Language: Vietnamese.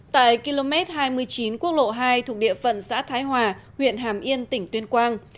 tại km hai mươi chín quốc lộ hai thuộc địa phận xã thái hòa huyện hàm yên tỉnh tuyên quang